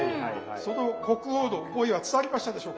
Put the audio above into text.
その国王の思いは伝わりましたでしょうか？